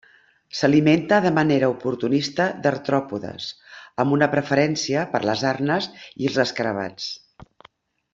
S'alimenta de manera oportunista d'artròpodes, amb una preferència per les arnes i els escarabats.